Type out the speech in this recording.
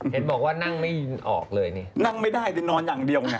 เห็นบอกว่านั่งไม่ออกเลยนี่นั่งไม่ได้แต่นอนอย่างเดียวไง